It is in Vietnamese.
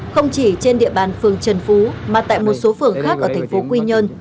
không chỉ trên địa bàn phường trần phú mà tại một số phường khác ở tp quy nhơn